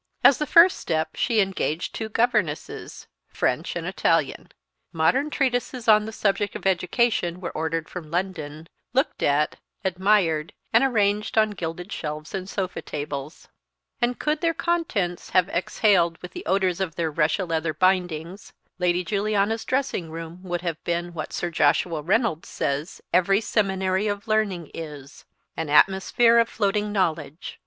As the first step she engaged two governesses, French and Italian; modern treatises on the subject of education were ordered from London, looked at, admired, and arranged on gilded shelves and sofa tables; and could their contents have exhaled with the odours of their Russia leather bindings, Lady Juliana's dressing room would have been what Sir Joshua Reynolds says every seminary of learning is, "an atmosphere of floating knowledge."